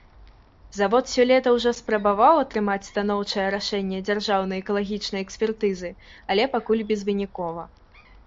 Завод сёлета ўжо спрабаваў атрымаць станоўчае рашэнне дзяржаўнай экалагічнай экспертызы, але пакуль безвынікова.